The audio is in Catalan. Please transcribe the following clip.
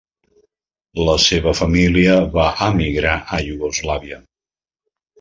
La seva família va emigrar a Iugoslàvia.